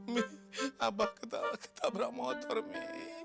mbak abah ketabrak motor mbak